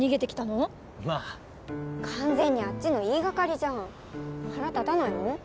まぁ完全にあっちの言いがかりじゃん腹立たないの？